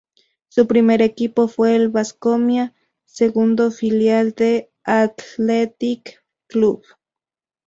Su primer equipo fue el Basconia, segundo filial del Athletic Club.